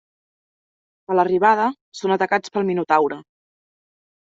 A l'arribada, són atacats pel Minotaure.